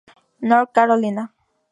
North Carolina.